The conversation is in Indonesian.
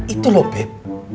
itu loh beb